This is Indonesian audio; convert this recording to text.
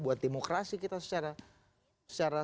buat demokrasi kita secara